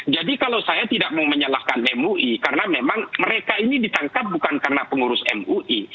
jadi kalau saya tidak mau menyalahkan mui karena memang mereka ini ditangkap bukan karena pengurus mui